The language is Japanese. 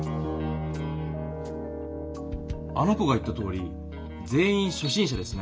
あの子が言ったとおり全員しょ心者ですね。